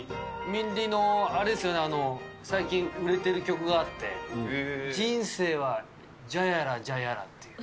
ミリのあれですよね、最近の売れてる曲があって、人生はジャヤラジャヤラっていう。